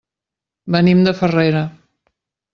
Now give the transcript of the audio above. Venim de Farrera.